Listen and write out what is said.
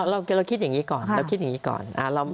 เราคิดอย่างนี้ก่อนเราคิดอย่างนี้ก่อน